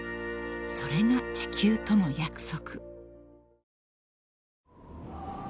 ［それが地球との約束］